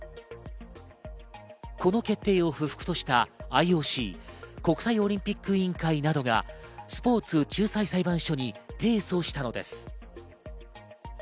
この決定を不服としたＩＯＣ＝国際オリンピック委員会などがスポーツ仲裁裁判所に提訴したのです。